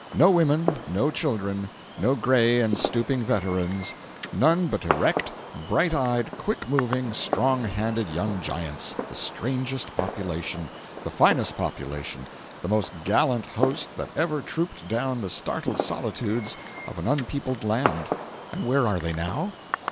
No women, no children, no gray and stooping veterans,—none but erect, bright eyed, quick moving, strong handed young giants—the strangest population, the finest population, the most gallant host that ever trooped down the startled solitudes of an unpeopled land. And where are they now?